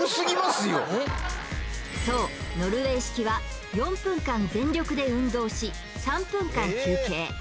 そうノルウェー式は４分間全力で運動し３分間休憩